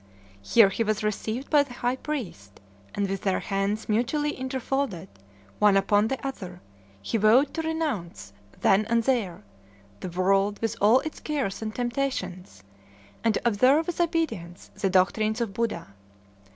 Here he was received by the high priest, and with their hands mutually interfolded, one upon the other, he vowed to renounce, then and there, the world with all its cares and temptations, and to observe with obedience the doctrines of Buddha.